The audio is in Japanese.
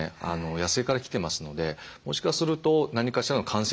野生から来てますのでもしかすると何かしらの感染症を持っていてですね